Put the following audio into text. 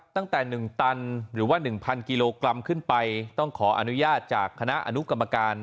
ตั้งแต่๑ตันหรือว่า๑๐๐กิโลกรัมขึ้นไปต้องขออนุญาตจากคณะอนุกรรมการ